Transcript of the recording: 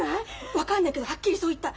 分かんないけどはっきりそう言った。